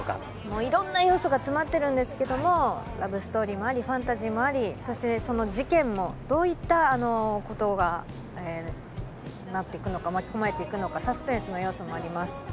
いろんな要素詰まっているんですけれども、ファンタジーもありそしてその事件もどういったことになっていくのか、巻き込まれていくのか、サスペンスの要素もあります。